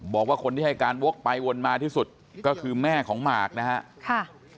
บอกว่าคนที่ให้การวกไปวนมาที่สุดก็คือแม่ของหมากนะครับ